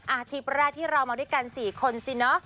ทริปแรกที่เรามาด้วยกัน๔คนสิเนอะ